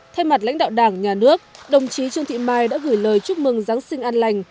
thay mặt lãnh đạo đảng nhà nước đồng chí trương thị mai đã gửi lời chúc mừng giáng sinh an lành